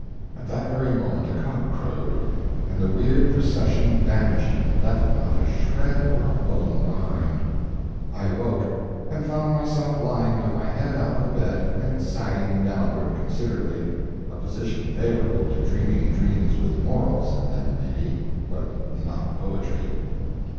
At that very moment a cock crowed, and the weird procession vanished and left not a shred or a bone behind. I awoke, and found myself lying with my head out of the bed and "sagging" downward considerably a position favorable to dreaming dreams with morals in them, maybe, but not poetry.